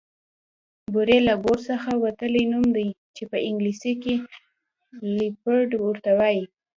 بوری له بور څخه وتلی نوم دی چې په انګليسي کې ليپرډ ته وايي